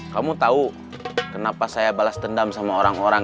kamu tahu kenapa saya balas dendam sama orang orang